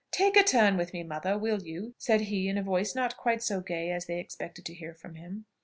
"Take a turn with me, mother, will you?" said he in a voice not quite so gay as they expected to hear from him.